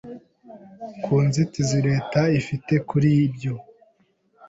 ku nzitizi Leta ifite kuri ibyo